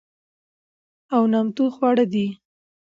او نامتو خواړه دي،